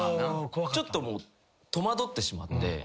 ちょっと戸惑ってしまって。